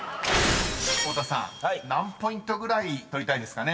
［太田さん何ポイントぐらい取りたいですかね？］